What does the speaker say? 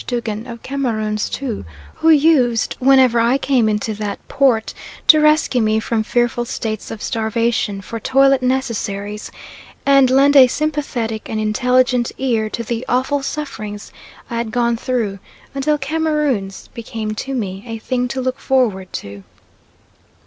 Duggan, of Cameroons too, who used, whenever I came into that port to rescue me from fearful states of starvation for toilet necessaries, and lend a sympathetic and intelligent ear to the "awful sufferings" I had gone through, until Cameroons became to me a thing to look forward to.